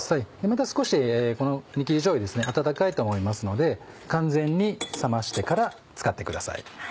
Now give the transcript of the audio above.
まだ少しこの煮切りじょうゆ温かいと思いますので完全に冷ましてから使ってください。